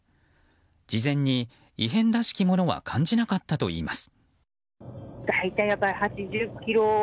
事前に異変らしきものは感じなかったといいます。